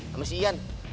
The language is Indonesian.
sama si ian